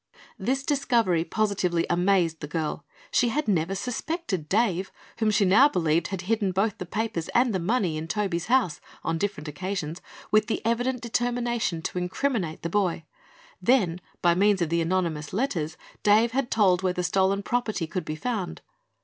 This discovery positively amazed the girl. She had never suspected Dave, whom she now believed had hidden both the papers and the money in Toby's house, on different occasions, with the evident determination to incriminate the boy. Then, by means of the anonymous letters, Dave had told where the stolen property could be found.